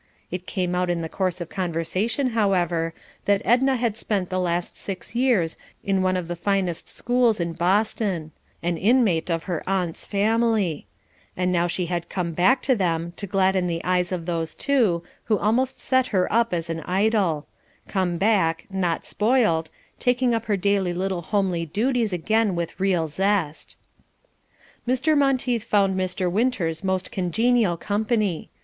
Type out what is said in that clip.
It came out in the course of conversation, however, that Edna had spent the last six years in one of the finest schools in Boston an inmate of her aunt's family; and now she had come back to them to gladden the eyes of those two, who almost set her up as an idol; come back, not spoiled, taking up her daily little homely duties again with real zest. Mr. Monteith found Mr. Winters most congenial company.